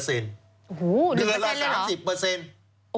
เดือนละ๓๐